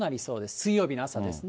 水曜日の朝ですね。